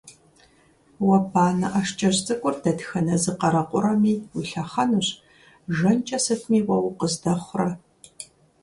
Уэ банэ ӀэшкӀэжь цӀыкӀур дэтхэнэ зы къарэкъурэми уилъэхъэнущ, жэнкӀэ сытми уэ укъыздэхъурэ!